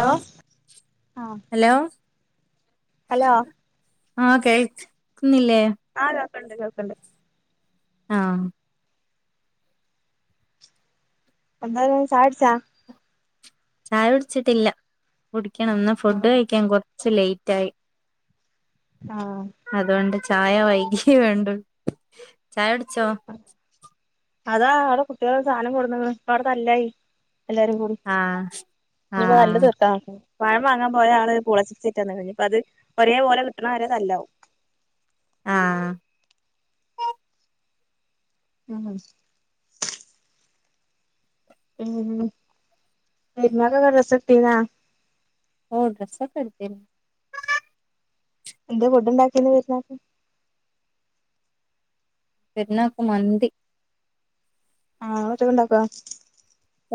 Hello ആഹ് hello hello ആഹ് കേൾക്കുന്നില്ലേ ആഹ് കേക്കണണ്ട് കേക്കണണ്ട് ആഹ് എന്നാ ചെയുന്നു ചായ കുടിച്ചാ ചായ കുടിച്ചിട്ടില്ല കുടിക്കണം ഇന്ന് ഫുഡ് കഴിക്കാൻ കുറച്ച് ലേറ്റ് ആയി ആഹ് അതുകൊണ്ട് ചായ വൈകി വേണ്ടു ചായ കുടിച്ചോ അതാ അവിടെ കുട്ടികൾ സാധനം കൊടുന്നു അവിടെ തല്ലായി എല്ലാരും കൂടി ആഹ് ഇപ്പ നല്ല ആഹ് തീർക്കാ പഴം വാങ്ങാൻ പോയ ആള് പുളച്ചി സെറ്റ്ന്ന കഴിഞ്ഞു ഇപ്പോഴേ പോലെ കിട്ടണ ആരെ തല്ലാവും ആഹ് ഉം മനസിലായി ഉം നിമാക്ക കസത്തിന്ന ഓഹ് ഡ്രസ്സൊക്കെ എടുത്തിരുന്ന് എന്ത് ഫുഡ്ണ്ടാക്കിന്ന് വരുന്ന പെരുന്നാൾക്ക് മന്തി ആഹ് ച്ചൊക്കെ ഉണ്ടാക്കോ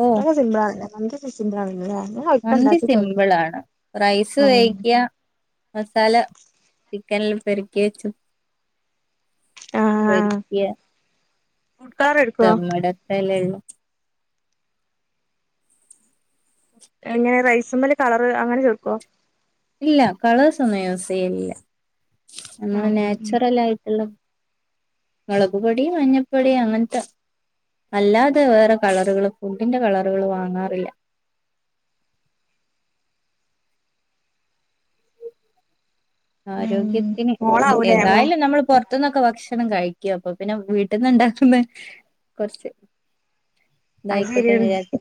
ഓ നെ സിംമ്പിളാണല്ല നിങ്ങക്ക് സിമ്പിളാണല്ല മന്തി സിമ്പിൾ ആണ് റൈസ് ഉം മസാല ചിക്കന പെരുക്കി വെച്ചു ആഹ് ആഹ് പോരിക്ക ഫുഡ് കളർ എടുക്കോ മത്ത ഇല്ലല്ല എങ്ങനെ റൈസും മല കളർ അങ്ങനെ ചെർക്കുവോ ഇല്ല കളേഴസ് ഒന്നും യൂസ് ചെയ്യില്ല അ ഉം ഉം ഉം നാച്ചുറൽ ആയിട്ടുള്ള മുളക് പൊടി മഞ്ഞപ്പൊടി അങ്ങനത്തെ അല്ലാതെ വേറെ കളറുകള് ഫുഡിന്റെ കളറുകള് വാങ്ങാറില്ല ഉം ആരോഗ്യത്തിന് മോളാവൂലേ മോ ഏതായാലും നമ്മൾ പുറ പൊറത്തന്നൊക്കെ ഭക്ഷണം കഴിക്കും അപ്പൊ പിന്നെ വീട്ടിൽന്നുണ്ടാക്കുന്ന കുറച്ച് അത് ശരി ഇതായിക്കോട്ടെന്ന് വിചാരിച്ച്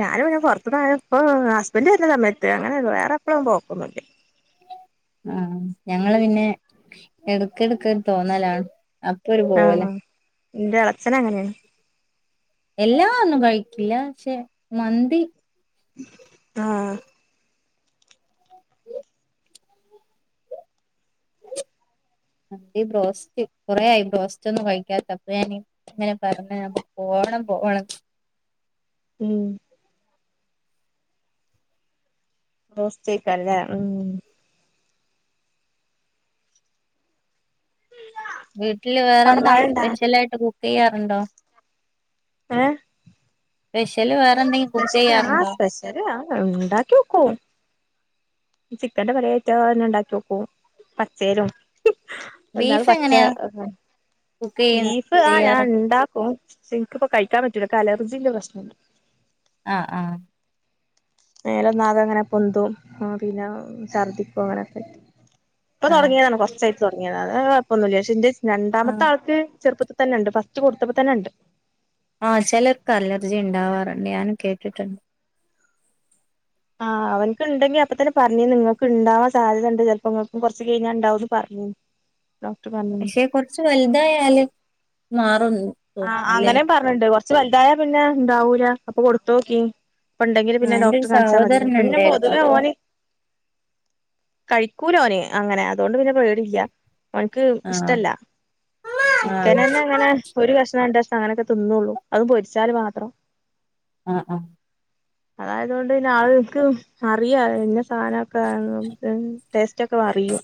ഞാനൻ പിന്നെ പുറത്തു നാ ഇപ്പ ഹസ്ബന്ഡറ് വരുന്ന സമയത്ത് അങ്ങനെ വേറെ എപ്പഴും പോക്കുന്നുണ്ട ആ ഞങ്ങള് പിന്നെ എടുക്ക എടുക്ക തോന്നലാണ് അപ്പരു ആഹ ആ എന്റെ ഇളച്ചനങ്ങനെയാണ് എല്ലാ ഒന്നും കഴിക്കില്ല പക്ഷെ മന്തി ആഹ ഇ ബ്രോസ്റ്റ് കൊറ ആായി ബ്രോസ്റ്റ് ഒന്നും കഴിക്കാത്ത അപ്പ ഞാന അങ്ങനെ പറഞ്ഞ ഞാ പോണം പോണം ഉം റോസ്റ്റയ്ക്കാരം ലെ ഉ വീട്ടില് അവിടെ വേറെന്താ മഴണ്ടാ സ്പെഷ്യൽ ആയിട്ട് കുക്ക് ചെയ്യാറുണ്ടോ ഏ സ്പെഷല് വേറെ എന്തെലും സ്പെഷ്യല് ആ സ്പെഷ്യല് ആ ഉണ്ടാക്കി ക്കും ചിക്കന്റെ പലറ്റെ ഉണ്ടാക്കി നോക്കൂ പച്ചേയിലും എന്നാല് ബീഫ് പച്ച എങ്ങനെയാ കുക്ക് ചെയ്യ ബീഫ് ചെയ്യാറ് ഞാൻ ഇണ്ടാക്കും ഇനിക്ക്പ്പോ കഴിക്കാൻ പറ്റില്ല അലജിന്റെ പ്രശ്നണ്ട് ആഹ് ആഹ് മേലെന്നാകെ അങ്ങനെ പൊന്തതും പിന്നെ ഛർദിക്കും അങ്ങനെ ഇപ്പൊ ആഹ് തുടങ്ങിയതാണ് കുറച്ചായിട്ട് തുടങ്ങിയത് അത് കുഴപ്പൊന്ന പക്ഷെ രണ്ടാമത്തെ ആഹ് ആൾക്ക് ചെറുപ്പത്തി ന്ന ഉണ്ട് ഫസ്റ്റ് കൊടുത്തപ്പോ തന്നെ ഉണ്ട് ആ ചിലർക്ക് അലർജി ഉണ്ടാവാറുണ്ട് ഞാനും കേട്ടിട്ടുണ്ട് ആഹ് അവനക്ക്ണ്ടെങ്കി അപ്പ തന്നെ പറഞ്ഞേനു നിങ്ങൾക്ക് ഉണ്ടാവാൻ സാധ്യതുണ്ട് ചിലപ്പോങ്ങൾക്കും കൊറച്ച് കഴിഞ്ഞാ ഉണ്ടാവന്ന് പറഞ്ഞ ഡോക്ട് പക്ഷെ [unintelligible] കുറച്ച് വലുതായല് മാറുന്നു ആഹ അങ്ങനേ പറഞ്ഞിണ്ട് കൊറച്ച് വലുതായ പിന്നെ ഇണ്ടാവൂല അപ്പൊ കൊടുത്തു നോക്കി ഉണ്ടെങ്കില് ആഹ് പിന്നെ എന്റെ ഡോക്ടർ ഒരു കാണിച്ചാൽ മതി സഹോദരൻ പിന്നെ ഉണ്ടായിരുന്നു പൊതുവെ അപ്പൊ ഓന് കഴിക്കൂലോനെ അങ്ങനെ അതുകൊണ്ട് പിന്നെ പേടില്ല അവനക്ക് ആഹ് ഇഷ്ടല്ല ആഹ് ചിക്കൻ തന്നെ അങ്ങനെ ഒരു കഷ്ണംം രണ്ട് കഷ്ണം അങ്ങനൊക്കെ തിന്നള്ളൂ അത് പൊരിച്ചാൽ മാത്രം ആഹ് ആഹ് അതായതുകൊണ്ട് പിന്നെ ആളുകൾക്ക് അറിയാ എന്നെ സാധന ടേസ്റ്റ് ഒക്കെ അറിയും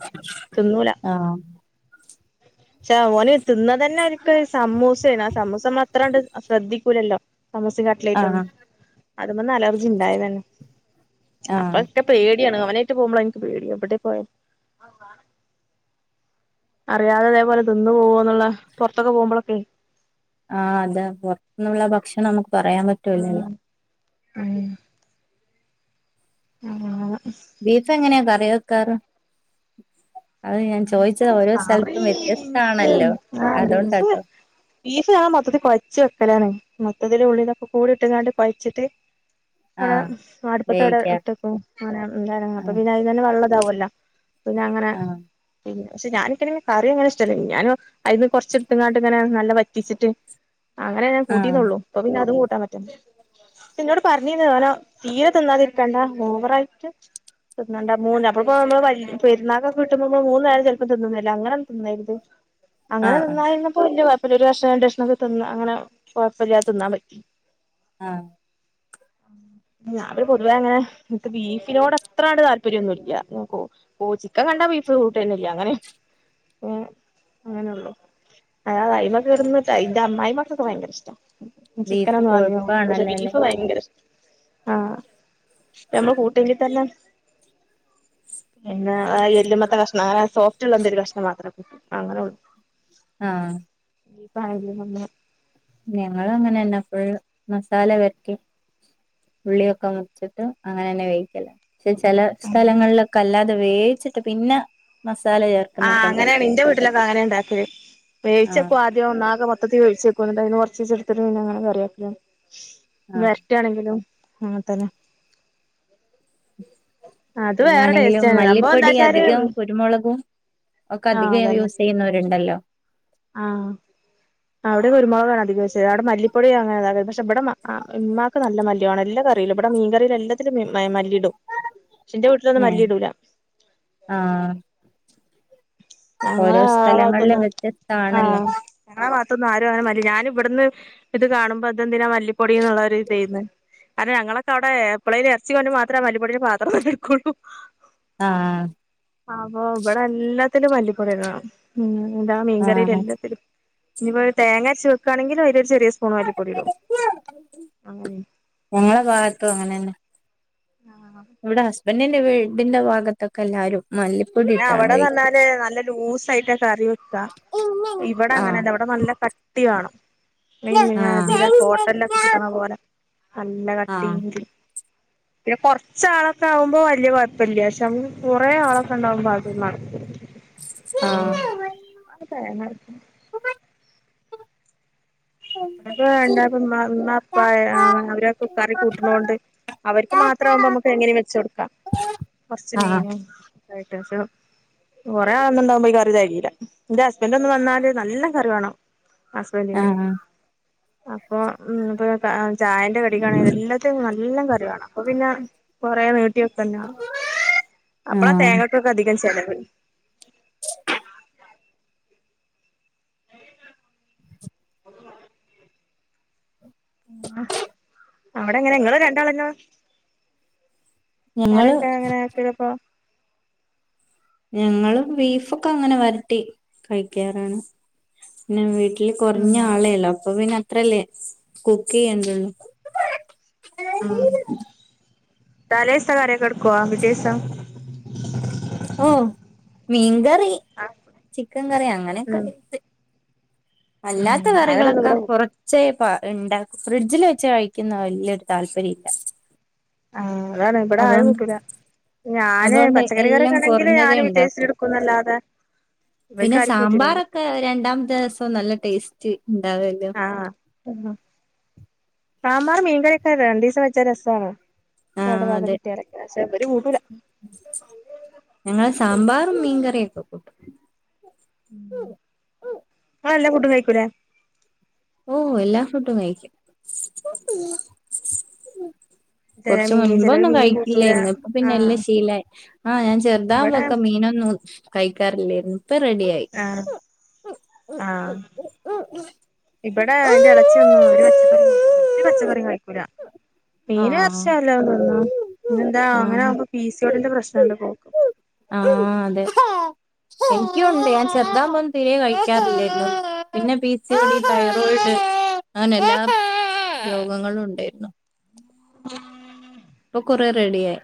തിന്നൂല പക്ഷേ ഓന തിന്ന തന്നെ വനിക്ക് സമൂസയാണ് ആ സമൂസ മാത്രണ്ട് ശ്രദ്ധിക്കൂലല്ലോ സമൂസി ആഹ് കട്ടലേട്ടും ആഹ് അത മന്ന അലർജി ഉണ്ടായ തന്നെ ആഹ് അപ്പൊക്കെ പേടിയാണ് അവനായിട്ട് പോകുമ്പോണ് എക്ക് പേടി എവിടെ പോയാലും അറിയാതെതേപോലെതിന്നന്ന് പോകോന്നുള്ള പുറത്തൊക്കെ പോകുമ്പോഴൊക്കെ ആഹ് അതെ പുറത്തന്നുള്ള ഭക്ഷണം നമുക്ക് പറയാൻ പറ്റ ഉം ആ ആഹ് ബീഫ എങ്ങനെയാ കറി വെക്കാറ്. അത് ഞാൻ ചോദിച്ചത് ഓരോ കറി സ്ഥലത്തും എനിക്ക് വ്യത്യസ്തമാണല്ലോ ആ അതണ്ട ബീഫ് കേട്ടോ. ബീഫ് ഞാൻ മൊത്തിൽ കൊഴച്ച് വെക്കലാണ് മൊത്തിൽ ഉള്ളിലൊക്കെ കൂടിയിട്ട് കുഴച്ചിട്ട്. അവിടെ ആഹ് അടുപ്പത്തെ അവിടെ വേവിക്കാറ് ഇട്ടക്കും അങ്ങന എന്ത അപ്പൊ ആഹ് പിായി തന്നെ വള്ളതാവല്ലോ. പിന്നെ അങ്ങനെ ആഹ് പിന്നെ പക്ഷെ ഞാനിക്കെങ്കിലും കറിിയ അങ്ങനെ ഇഷ്ടമല്ല ഞാനൻ. അതിന്ന് കൊറച്ചെടുത്ത്ങ്ങാട്ട് ഇങ്ങനെ നല്ല പറ്റിച്ചിട്ട് അങ്ങനെ ഞാൻ ആഹ് കൂട്ടീന്നള്ളു. അപ്പൊ പിന്ന അതും കൂട്ടാൻ പറ്റേ. പിന്നോട് പറഞ്ഞീന്ന് ഓനോ തീരെ തിന്നാതിരിക്കണ്ട ഓവറയിട്ട്. ണ്ട മൂന്ന് അപ്പൊപ്പോ നമ്മൾ പെന്നാളൊക്കെ വിട്ട്പോ. മ്മ മൂന്ന നേരം ചിലപ്പോ തിന്നുന്നില്ല അങ്ങന തിന്നരുത് അങ്ങനെ ആഹ് ആഹ് തിന്നായിരുന്നപ്പോ. അ ഒരു കഷണം രണ്ട്ക്ഷണമോക്കെ തിന്ന് അങ്ങനെ കുഴപ്പമില്ലാതേന്നാൻ പറ്റും. ആഹ് ആ. ഞാൻ പിന്നെ പൊതുവേ അങ്ങനെ നിക്ക് ബീഫിനോട് അത്രണ്ട് താല്പര്യമൊന്നുമില്ല കോ ഓ ചിക്കൻ കണ്ടാ ബീഫ് കൂട്ടുകയോ ഒന്നുമല്ലയ്യ തന്നല്ലേ അങ്ങനെ അങ്ങനെയള്ളു. അതത് അ്മക്കെ ഇടന്നിട്ട് അന്റെ അ്മായി്മക്കെയങ്കര ഇഷ്ടം. ബീഫ് ചിക്കനൊന്നും ആധമം കട്ട പക്ഷെ കൊഴുപ്പാണല്ലോ അല്ലേ ബീഫ് ഭയങ്കര ഇഷ. ആഹ നമ്മള് കൂട്ടന്റെ തല്ലാം. പിന്നെ എല്മ. കഷ്ണം സോഫ്ുള്ളെരു കഷ്ണം മാത്രക്ക അങ്ങനെള്ള. ആഹ് പറ. [unintelligible] ഞങ്ങളുഴഅങ്ങനെന്നപ്പോള് മസാല വരട്ടി ഉള്ളിയൊക്കെ മുച്ചിട്ട് അങ്ങനെ തന്നെ വേവിക്കല പക്ഷെ ചില സ്ഥലങ്ങളിലൊക്കെ അല്ലാതെ വേവിച്ചിട്ട് പിന്നെ മസാല ചേർക്കും. ആഹ് അങ്ങനെണ് എന്റെ വീട്ടിലൊക്കെ അങ്ങനെ ഉണ്ടാക്കിയത് ആഹ് വേവിച്ചക്ക. ഒന്നാകെ മൊത്തത്തിീച്ചേക്ക അയ്ന്ന് കുറചീച്ച എടുത്തിട്ട അങ്ങനെ ആഹ് [unintelligible] ആണെങ്കിലും അങ്ങന തന്നെ. അത് വേറെ പിന്നാണെങ്കിലും ടേസ്റ്റാണ് സംഭവം മല്ലിപ്പൊടി എന്താച്ചാല് അധികം കുരുമുളകും. ഒക്കെ ആഹ് അധികം അതന്നെ യൂസ് ചെയ്യുന്നവരുണ്ടല്ലോ. ആഹ് അവിടെ കുരുമുകാണ് അധിക വച്ചത് അവിടെ മല്ലിപ്പൊടിയ അങ്ങനെതാക്കത് പക്ഷെ ഇവിടെ ഉമമാക്ക് ന മല്ലിയ ആ എല്ലാം കറിയിലും. ഇവിടെ മീൻകറിയിൽ എല്ലാത്തിലും മല്ലിടും പക്ഷിന്റെ വീട്ടിലന്നും ഏഹ് മല്ലി ഇടൂല. ആഹ് ഞങ്ങളെ ഓരോ ആ സ്ഥലങ്ങളിലും ഭാഗത്തൊന്നും വ്യത്യസ്തമാണല്ലോ. ആഹ് ഞങ്ങളെ മാത്രംന്ന് ആരും അങ്ങന മല്ല ഞാനൻ ഇവിടുന്ന് ഇത് കാണുമ്പോ അതെന്തിനാ മല്ലിപ്പൊടിയന്നുള്ള ഒരുരിതേന്ന്. കാരണം ഞങ്ങളൊക്കെ അവിടെ എ പിളേയിൽ ഇറച്ചിൊണ്ട് മാത്രമേ മല്ലുപ്പൊടിന് പാത്രം തന്നെ ഇടക്കൊള്ളൂ ആഹ് അപ്പൊ ഇവിടെ എല്ലാത്തിനും മല്ലിപ്പൊടി ഇടണം ഉം ഇതാ മീൻകറിൽ ആഹ് എല്ലാത്തരും ഇനിയിപ്പോ തേങ്ങാ അച്ചു വെക്കണെങ്കിലും അരു ചെറിയ. ഫോണ വലി പൊടിടോ അങ്ങനെ. ഞങ്ങളെ ഭാഗത്തോ അങ്ങനെന്നെ. ആഹ് ഇവിടെ ഹസ്ബന്റീന്റെ വീടിന്റെ ഭാഗത്തൊക്കെ എല്ലാവാരും മ. പിന്നെ അവിടെ തന്നാല് നല്ല ലൂസയിട്ട കറി വെക്കാ. ഇവടെങ്ങനല്ല ആഹ് ഇവിടെ നല്ല കട്ടി കട്ടി വാണം ആഹ് ഇതില ഹോട്ടലൊക്കെ കിട്ടിണ പോലെ. നല്ല ആഹ് ആഹ് കട്ടീല് പിന്നെ കുറച്ചാളൊക്കെ ആകുമ്പോ വല്ല്യ കൊയപ്പല്ല പക്ഷെ. ഒറേ ആളക്കെണ്ടാവുമ്പോ അത് നടക്കൂല അതാണ് അപ്പോ വണ്ടപ്പ മ്മ പ്പ അവരക്കെ കറി കൂട്ടുണോണ്ട് അവർക്ക് മാത്രം ആകുമ്പോ നമുക്ക്‌ എങ്ങനും വെച്ചടുക്കാം കുറച്ച് മീനും ആയിട്ട്ക്കെ കൊറെേ ആളന്നുണ്ടാകുമ്പോ ഈ കറി തകീല്ല എന്റെ ഹസ്ബന്റ് ഒന്ന് വന്നാല് നല്ല കറി വേണം ആഹ് ഹസ്ബന്റിന് ആഹ് അപ്പൊ ഉം ഇ ചായന്റെ കടിക്കണെിൽ എല്ലാത്തിലും നല്ല കറി വാണം അപ്പൊ പിന്നെ കൊറേ നീട്ടിയൊക്കെ തന്നെയ അപ്പളാ ആഹ് തേങ്ങക്കൊക്കെ അധികം ചിലവ് [inaudible] അവിടെങ്ങനെ ങ്ങളും രണ്ടാളന്നെ ഞങ്ങള് കറിയൊക്കെ ങ്ങനെ വെക്കലാപ്പൊ ഞങ്ങള് ബീഫൊക്കെ അങ്ങനെ വരട്ടി കഴിക്കാറാണ് പിന്നെ വീട്ടില് കുറഞ്ഞ ഉം ആളേല്ലോ അപ്പൊ പിന്നെ അത്രല്ലേ കുക്ക്യ്യണ്ടുള്ളൂ ഉം തലേ ദിവസം കറ കെടുക്കുവ പിഠ്ദീവസം ഓഹ് മീൻകറി ചിക്കൻ കറി അങ്ങനെയൊക്കെ ഉം അല്ലാത്ത ഉം അങ്ങനൊന്നും കറികളൊക്കെ ഇവിടെ കൊറച് ചേപ്പാ ഉണ്ടാക്കും ഫ്രിഡ്ജില് വെച്ച് കഴിക്കുന്ന വല്യൊരു താല്പര്യം ഇല്ല ആഹ് അതാണ് ഇവിടെ ആരും അതുകൊണ്ട് കൂട്ടുല്ല ഞാന് അതുകൊണ്ട് പച്ചക്കറി എല്ലാം കറൊക്കെ ആണെങ്കില് കുറഞ്ഞതേ ഞാന് പിറ്റെസതിന് ഉണ്ടാക്കും എടുക്കുംന്നല്ലാതെ പിന്നെ ഇവർക്ക്‌ ആർക്കും പറ്റലില്ല സാമ്പാറൊക്കെ രണ്ടാമത്തെ ദിവസം നല്ല ടേസ്റ്റ് ഉണ്ടാവല്ലോ ആഹ് സാമാർ മീൻ കറിയോക്ക രണ്ട് ദിവസം വെച്ചാ രസണ് കടാതെ കിട്ടിയേ പക്ഷേ ഇവർ കൂട്ടൂല ഞങ്ങള് സാമ്പാറും മീൻകറിയൊക്കെ കട്ടും ങ്ങളെല്ലാ ഫുഡും കഴക്കൂല ഓഹ് എല്ലാ ഫുടും കഴിക്കും ചെല കൊർച് മീൻ ചെലോര് മുൻപൊന്നും മീൻ കൂട്ടൂല കഴിക്കില്ലായിരുന്നു ഇപ്പ പിന്നെ ആഹ് എല്ലാം ശീല ആഹ് ഞാൻ ഇവിടെ ചെർതാവ്പോക്കെ മീനൊന്നും കഴിക്കാറില്ലായിരുന്നു ഇപ്പ റെഡിയായി ആഹ് ആഹ് ഇവിടെ എന്റെ ഇളച്ചിഒന്നു ഒരു പച്ചക്കറി ഒര് പച്ചക്കറി കഴിക്കൂല മീന ആഹ് വർച്ചയല്ല തന്ന ഇ എന്താ ആഹ് അങ്ങനൊവവുമ്പോ പി സിയോട്ന്റെ പ്രശ്നം ഉണ്ട് പോക്കും ആഹ് അതെ എനിക്കുണ്ട് ഞാൻ ചെർതാവുംമ്പം തിരെ കഴിക്കാറില്ലായിരുന്നു പിന്നെ പി സി ഒ ഡി അന എല്ലാ രോഗങ്ങളും ഉണ്ടായിരുന്നു [inaudible] ഇപ്പൊ കൊറേ റെഡിയായി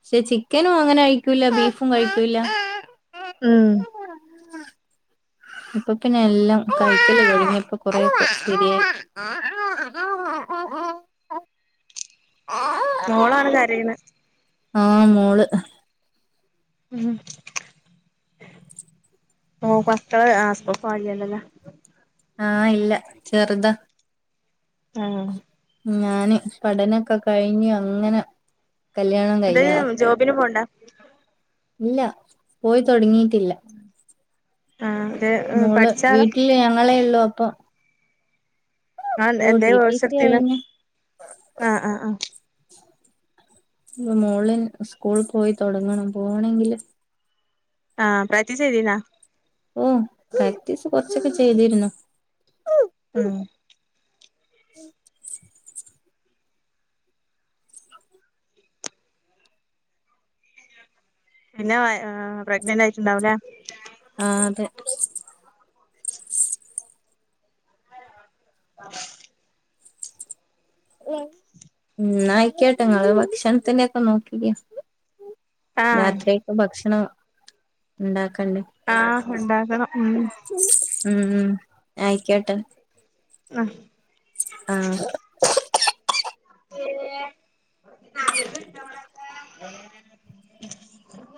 പക്ഷെ ചിക്കനും അങ്ങനെ കഴിക്കൂല്ല ബീഫും കഴിക്കൂല്ല ഉം ഇപ്പൊ പിന്നെ എല്ലാം കഴിക്കല് തുടങ്ങി ഇപ്പൊ കൊറരിയ ഓ ഓ ഓ [inaudible] മോളാണ് കരയ്ണെ ആഹ് മോള് ഉ പസ് ആസ്പല്ലല്ലല്ലേ ആഹ് ഇല്ല ചെറുതാ ഉം ഞാന് പഠനൊക്കെ കഴിഞ്ഞ് അങ്ങനെ കല്യാണം ഇത് കഴിഞ്ഞതാ ജോബിന് പോണ്ട ഇല്ല പോയി തൊടങ്ങിട്ടില്ല ആ അതെ മോള് വീട്ടില് ഞങ്ങളേ ഉള്ളൂ അപ്പൊ ൻ ഓ എന്താ ടി ടി സി കോയ്സെടുത്തിന്ന് കഴിഞ്ഞ് ആഹ ആഹ് ആഹ് ഇ മോളിൽ സ്കൂൾ പോയി തുൊടങ്ങണം പോണങ്കില് ആഹ് പ്രാക്ടീസ്യ്തിന്യോ ഓ പ്രാക്ടീസ് കൊറച്ചൊക്കെ ചെയ്തിരുന്നു ഉം ഉ പിന്നെ പ്രഗ്നന്റ് ആയിട്ടുണ്ടാവലേ ആ അതെ ആഹ് യിക്കാട്ടെങ്ങ ഭക്ഷണത്തിന്റെ ഒക്കെ നോക്കിക്ക ആഹ് രാത്രയൊക്കെ ഭക്ഷണം ഉണ്ടാക്കണ്ടേ ആഹ് ഉണ്ടാകണം ഉം ഉം ആയിക്കോട്ടെ ആഹ് ആഹ് പിന്നെ